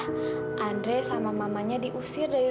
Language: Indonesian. manja sama catsnya di unggul dari situ